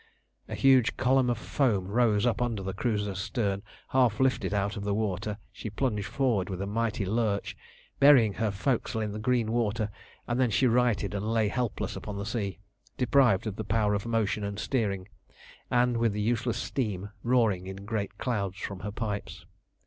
A huge column of foam rose up under the cruiser's stern; half lifted out of the water, she plunged forward with a mighty lurch, burying her forecastle in the green water, and then she righted and lay helpless upon the sea, deprived of the power of motion and steering, and with the useless steam roaring in great clouds from her pipes.